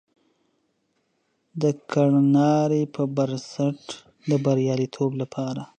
د کړنلاري پر بنسټ د بریالیتوب لپاره